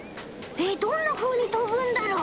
えっどんなふうにとぶんだろ？